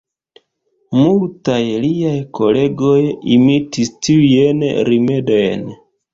Multaj liaj kolegoj imitis tiujn rimedojn.